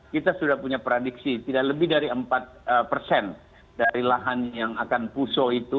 kita sudah punya prediksi tidak lebih dari empat persen dari lahan yang akan pusuh itu